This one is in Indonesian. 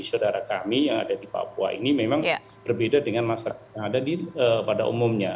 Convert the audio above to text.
saudara kami yang ada di papua ini memang berbeda dengan masyarakat yang ada pada umumnya